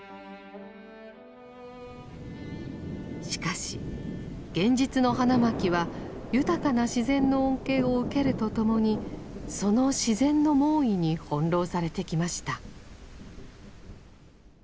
しかし現実の花巻は豊かな自然の恩恵を受けるとともにその自然の猛威に翻弄されてきました。